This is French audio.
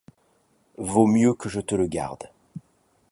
Vaut mieux que je te le garde.